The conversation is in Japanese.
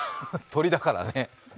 鳥だからね。